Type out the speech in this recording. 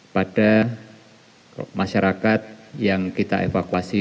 pada masyarakat yang kita evakuasi